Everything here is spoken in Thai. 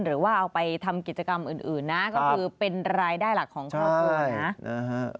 หรือว่าเอาไปทำกิจกรรมอื่นนะก็คือเป็นรายได้หลักของครอบครัวนะ